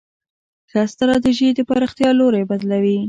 ښه ستراتیژي د پراختیا لوری بدلوي.